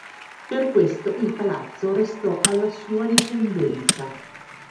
Per questo il palazzo restò alla sua discendenza.